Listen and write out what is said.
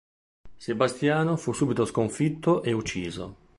Sebastiano fu subito sconfitto e ucciso.